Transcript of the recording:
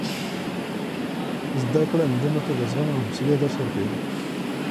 زده کړه نجونو ته د زغم او حوصلې درس ورکوي.